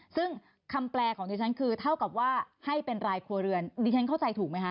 ซึ่งคำแปลของดิฉันคือเท่ากับว่าให้เป็นรายครัวเรือนดิฉันเข้าใจถูกไหมคะ